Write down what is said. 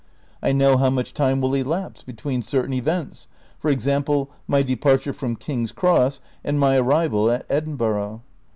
I know how much time will elapse between certain events, for example, my departure from King's Cross and my arrival at Edinburgh.